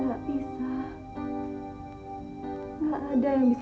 om masih mau temanan sama nisa